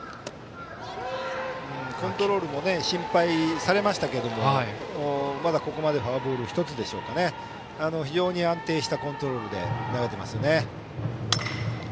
コントロールも心配されましたけどもまだここまでフォアボール１つですから非常に安定したコントロールで投げていますね。